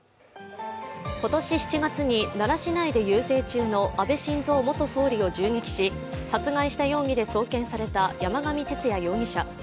今年７月に奈良市内で遊説中の安倍晋三元総理を銃撃し殺害した容疑で送検された山上徹也容疑者。